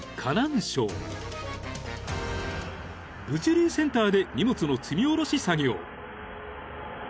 ［物流センターで荷物の積み下ろし作業］